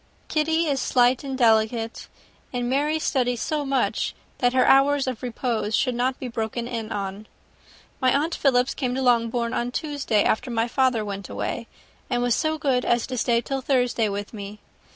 Kitty is slight and delicate, and Mary studies so much that her hours of repose should not be broken in on. My aunt Philips came to Longbourn on Tuesday, after my father went away; and was so good as to stay till Thursday with me.